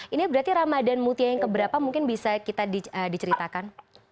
ini berarti ramadan mutia yang keberapa mungkin bisa kita diceritakan